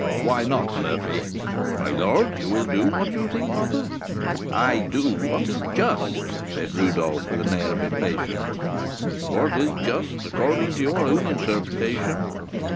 "Why not, Murphy?" "My lord, you will do what you think proper." "I do what is just," said Rodolph, with an air of impatience. "What is just, according to your own interpretation."